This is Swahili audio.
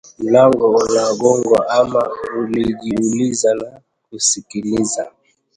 Mlango unagongwa ama?” Alijiuliza na kusikilizia